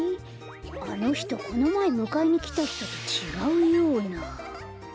あのひとこのまえむかえにきたひととちがうような。